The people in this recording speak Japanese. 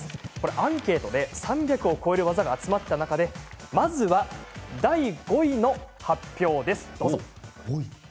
アンケートで３００を超える技が集まった中でまずは第５位の発表です。